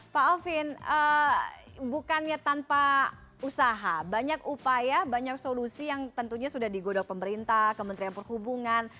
pak alvin bukannya tanpa usaha banyak upaya banyak solusi yang tentunya sudah digodok pemerintah kementerian perhubungan